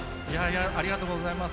ありがとうございます、